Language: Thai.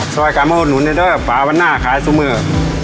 ช่วยกันมารวดหนุนอย่างเงินป่าวันหน้าขายซุมมือ